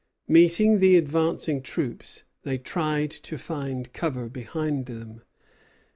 Meeting the advancing troops, they tried to find cover behind them.